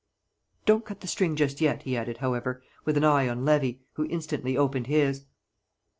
"Don't cut the string just yet," he added, however, with an eye on Levy who instantly opened his.